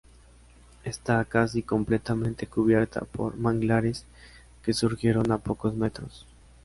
Esta casi completamente cubierta por manglares que surgieron a pocos metros.